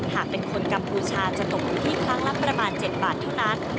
หากเป็นคนกัมพูชาจะตกอยู่ที่ครั้งละประมาณ๗บาทเท่านั้น